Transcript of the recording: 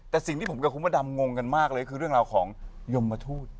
แต่สิ่งที่ผมกับคุณพระดำงงกันมากเลยคือเรื่องราวของยมทูต